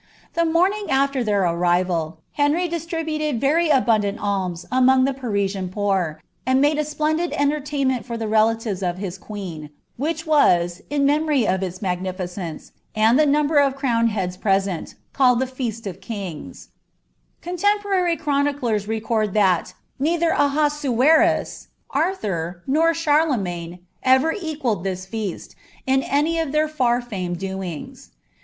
The morning after their arrival, Henry firt* buted very abundant alms among the Parisian poor, and made a tplEndid ruLi*. ■ M. Paiu. ■ M. Paris. M. WeBmlaMn. XLBANOR OF PROVBlfCB. 67 ontertaiiunent for the relatives of his queen, which was, in memory of ks magnificence, and the number of crowned heads present, called the Feast of Kings.' Contemporary chroniclers record that neither Ahasu enis, Arthur, nor Charlemagne, ever equalled this feast, in any of theit frr fiimed doings.